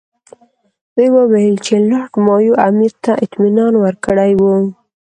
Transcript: دوی وویل چې لارډ مایو امیر ته اطمینان ورکړی وو.